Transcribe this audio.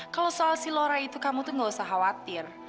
kalau soal silora itu kamu tuh gak usah khawatir